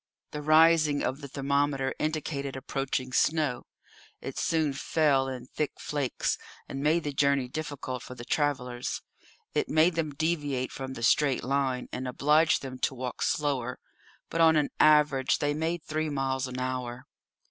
The rising of the thermometer indicated approaching snow; it soon fell in thick flakes, and made the journey difficult for the travellers; it made them deviate from the straight line, and obliged them to walk slower; but, on an average, they made three miles an hour.